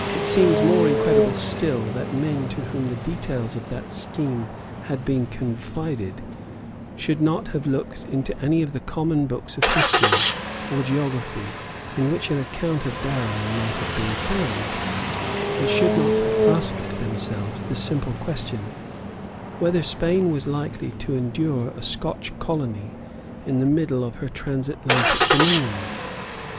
It seems more incredible still that men to whom the details of that scheme had been confided should not have looked into any of the common books of history or geography in which an account of Darien might have been found, and should not have asked themselves the simple question, whether Spain was likely to endure a Scotch colony in the midst of her Transatlantic dominions.